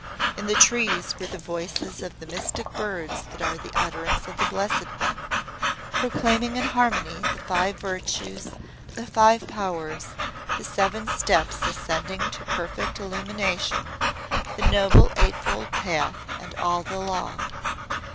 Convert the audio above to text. In the trees were the voices of the mystic Birds that are the utterance of the Blessed One, proclaiming in harmony the Five Virtues, The Five Powers, the Seven Steps ascending to perfect Illumination, the Noble Eightfold Path, and all the Law.